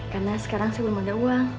karena sekarang saya belum ada uang